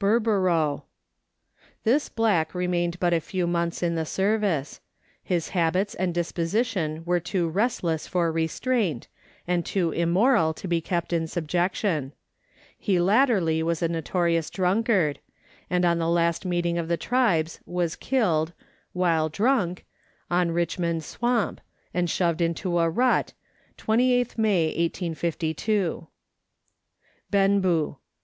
Boro Boro (Bur bor rougK). This black remained but a few months in the service ; his habits and disposition were too restless for restraint, and too immoral to be kept in subjection ; he latterly was a notorious drunkard ; and on the last meeting of the tribes was killed (while drunk) on Richmond swamp, and shoved into a rut, 29th May 1852. Benboo.